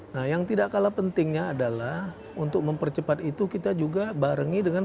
nah yang tidak kalah pentingnya adalah untuk mempercepat itu kita juga barengi dengan